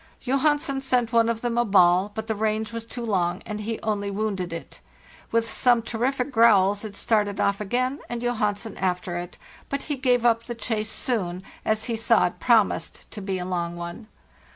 "Johansen sent one of them a ball, but the range was too long, and he only wounded it. With some terrific growls it started off again, and Johansen after it; but he gave up the chase soon, as he saw it promised to be a long one.